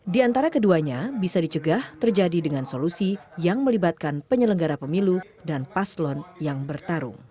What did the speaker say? di antara keduanya bisa dicegah terjadi dengan solusi yang melibatkan penyelenggara pemilu dan paslon yang bertarung